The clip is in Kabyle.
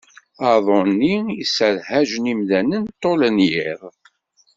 Aḍu-nni yesserhajen imdaden ṭul n yiḍ.